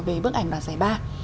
về bức ảnh đoàn giải ba